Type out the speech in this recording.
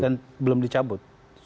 dan belum dicabut